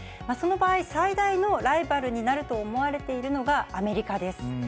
その場合、最大のライバルになると思われているのがアメリカです。